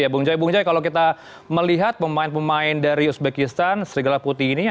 bung joy bung joy kalau kita melihat pemain pemain dari uzbekistan serigala putih ini